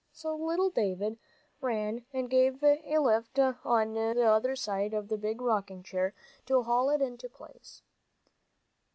So little David ran and gave a lift on the other side of the big rocking chair, to haul it into place.